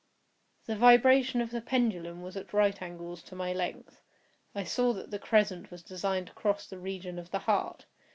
The vibration of the pendulum was at right angles to my length. I saw that the crescent was designed to cross the region of the heart.